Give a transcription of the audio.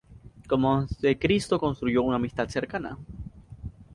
Con Montecristo construyó una amistad cercana.